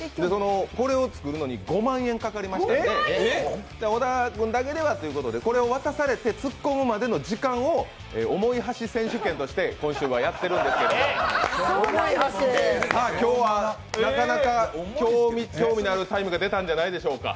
これを作るのに５万円かかりまして小田君だけではということで、これを渡されて、つっこむまでの時間を突っ込むまでの時間を重い箸選手権として今週やってるんですけど今日は、なかなか興味のあるタイムが出たんじゃないでしょうか？